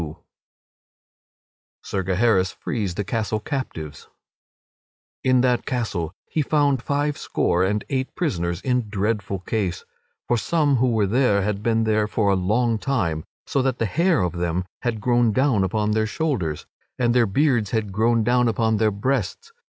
[Sidenote: Sir Gaheris frees the castle captives] In that castle he found five score and eight prisoners in dreadful case, for some who were there had been there for a long time, so that the hair of them had grown down upon their shoulders, and their beards had grown down upon their breasts.